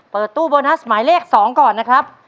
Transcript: เปิดตู้โบนัสหมายเลข๒ก่อนนะครับ